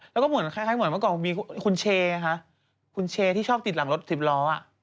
แล้วก็เหมือนต่อไปเมื่อก่อนมีคุณเชนะคะถ้าใต้ชอบติดหลังรถสลิบล้ออะ